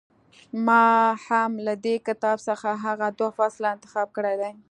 ما هم له دې کتاب څخه هغه دوه فصله انتخاب کړي دي.